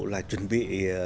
là chuẩn bị